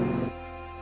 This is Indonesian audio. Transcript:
jangan sampai kalah